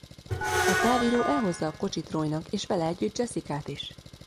A távíró elhozza a kocsit Roynak és vele együtt Jessicát is.